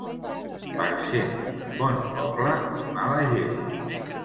Parcent, bon poble i mala gent.